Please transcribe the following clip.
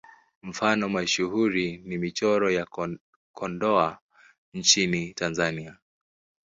Mfano mashuhuri ni Michoro ya Kondoa nchini Tanzania.